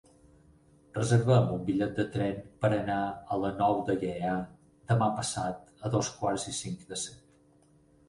Reserva'm un bitllet de tren per anar a la Nou de Gaià demà passat a dos quarts i cinc de set.